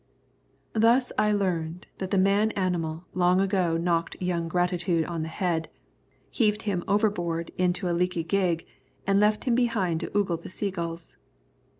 '" Thus I learned that the man animal long ago knocked Young Gratitude on the head, heaved him overboard into a leaky gig, and left him behind to ogle the seagulls.